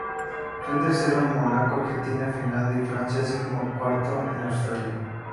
Fue tercero en Mónaco, Argentina, Finlandia y Francia, así como cuarto en Australia.